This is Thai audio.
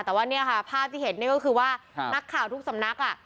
แต่ว่าเนี่ยค่ะภาพที่เห็นนี่ก็คือว่านักข่าวทุกสำนักอ่ะ